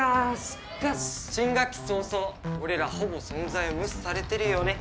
しかし新学期早々俺らほぼ存在を無視されてるよね